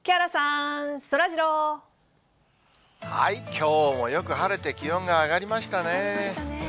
きょうもよく晴れて、気温が上がりましたね。